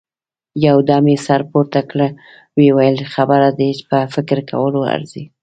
يودم يې سر پورته کړ، ويې ويل: خبره دې په فکر کولو ارزي.